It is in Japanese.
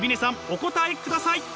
お答えください。